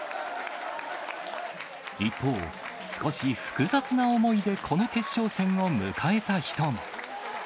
一方、少し複雑な思いでこの決勝戦を迎えた人も。